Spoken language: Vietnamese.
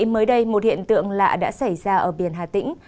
hôm nay một hiện tượng lạ đã xảy ra ở biển hà tĩnh